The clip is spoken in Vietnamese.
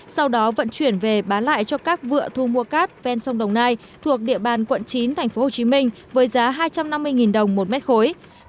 sau đó vận chuyển về bán lại cho các vựa thu mua cát ven sông đồng nai thuộc địa bàn quận chín thành phố hồ chí minh với giá hai trăm năm mươi đồng một mét khối